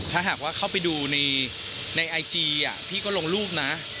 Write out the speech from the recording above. ถ้าหากว่าเข้าไปดูในไอจีพี่ก็ลงรูปนะ